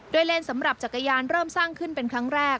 โดยเลนสำหรับจักรยานเริ่มสร้างขึ้นเป็นครั้งแรก